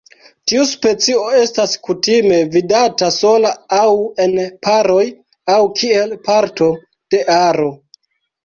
Tiu specio estas kutime vidata sola aŭ en paroj aŭ kiel parto de aro.